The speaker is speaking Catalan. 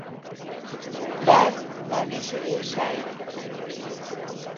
Mann va néixer a Yorkshire.